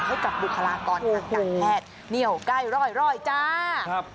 ให้กับบุคลากรทางการแพทย์เหนียวใกล้รอยจ้า